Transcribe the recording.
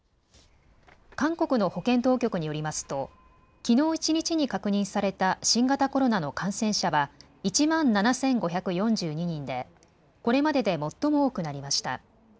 韓国の保健当局によりますときのう一日に確認された新型コロナの感染者は１万７５４２人でこれまでで最も多くなりました。